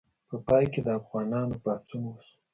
په پای کې د افغانانو پاڅون وشو.